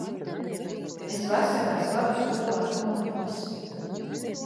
Es vasarās vadu skolēnu nometnes.